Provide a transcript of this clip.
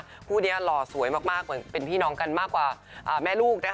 คู่นี้หล่อสวยมากเหมือนเป็นพี่น้องกันมากกว่าแม่ลูกนะคะ